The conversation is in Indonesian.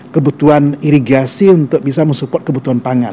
kebutuhan irigasi untuk bisa mensupport kebutuhan pangan